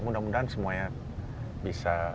mudah mudahan semuanya bisa